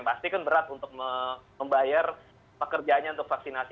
pasti kan berat untuk membayar pekerjaannya untuk vaksinasi